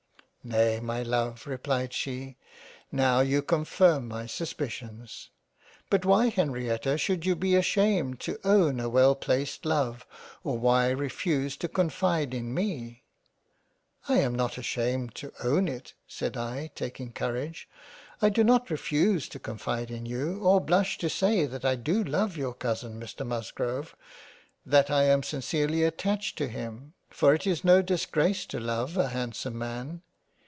" Nay my Love replied she, now you confirm my sus picions. But why Henrietta should you be ashamed to own a well placed Love, or why refuse to confide in me ?"" I am not ashamed to own it ; said I taking Courage. I do not refuse to confide in you or blush to say that I do love your cousin Mr Musgrove, that I am sincerely attached to him, for it is no disgrace to love a handsome Man.